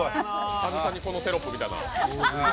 久々にこのテロップ見たな。